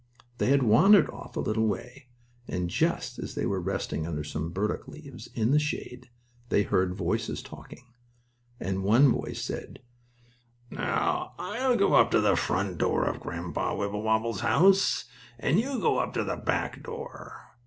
They had wandered off a little way, and, just as they were resting under some burdock leaves, in the shade, they heard voices talking. And one voice said: "Now I'll go up to the front door of Grandpa Wibblewobble's house and you go up to the back door.